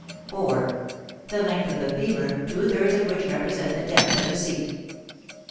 4. The length of the femur, two thirds of which represent the depth of the seat. 5.